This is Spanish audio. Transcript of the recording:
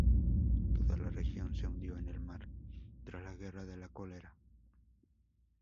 Toda la región se hundió en el mar tras la Guerra de la Cólera.